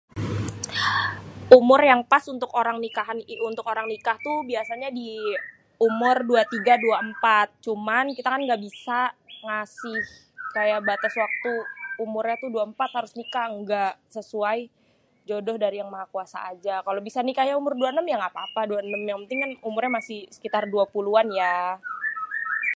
umur yang pas untuk orang nikahan tuh, umur yang pas tuh biasanya di umur 23 24 cuman kita kan gabisa ngasih batês kaya waktu umurnyé tuh 24 harus nikah ga sesuai jodoh dari yang Maha Kuasa ajé ya kalo bisa nikahnyé umur 26 ya gapapa 26 yang penting kan nikahnya masi diumur 20an yaa